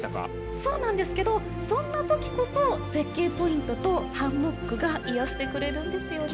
そうなんですけどそんな時こそ絶景ポイントとハンモックが癒やしてくれるんですよね。